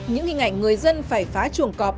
những hình ảnh người dân phải phá chuồng cọp